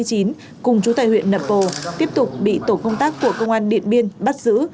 cùng chú tệ huyện nậm pồ tiếp tục bị tổ công tác của công an điện biên bắt giữ